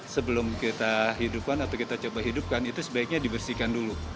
sebelum kita hidupkan atau kita coba hidupkan itu sebaiknya dibersihkan dulu